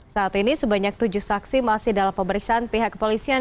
saat ini sebanyak tujuh saksi masih dalam pemeriksaan pihak kepolisian